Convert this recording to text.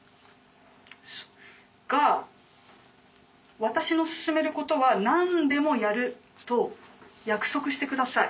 「が私の勧めることは何でもやると約束して下さい」。